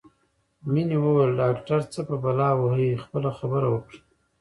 مينې وویل ډاکټر څه په بلا وهې خپله خبره وکړه